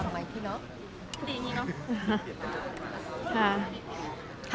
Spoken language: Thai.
ค่ะได้เลยค่ะ